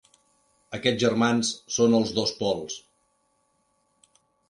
Aquests germans són els dos pols.